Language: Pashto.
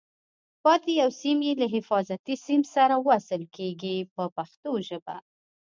پاتې یو سیم یې له حفاظتي سیم سره وصل کېږي په پښتو ژبه.